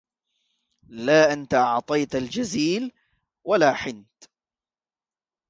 لا أنت أعطيت الجزيل ولا حنت